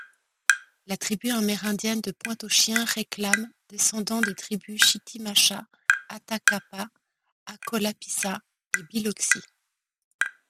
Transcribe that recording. La tribu amérindienne de Pointe-au-Chien réclament descendants des tribus Chitimachas, Atakapas, Acolapissa et Biloxi.